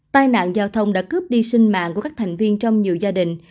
tai nạn giao thông đã cướp đi sinh mạng của các thành viên trong nhiều gia đình